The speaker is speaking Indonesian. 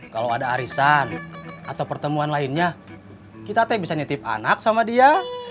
kalau ada arisan atau pertemuan lainnya kita teh bisa nitip anak sama dia